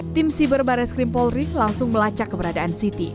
tim siber baret skrim polri langsung melacak keberadaan siti